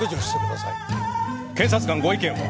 検察官ご意見は？